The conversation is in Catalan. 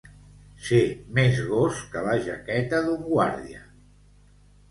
Ser més gos que la jaqueta d'un guàrdia.